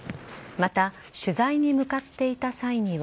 また取材に向かっていた際には。